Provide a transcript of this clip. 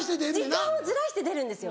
時間をずらして出るんですよ。